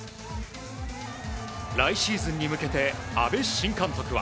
来シーズンに向けて阿部新監督は。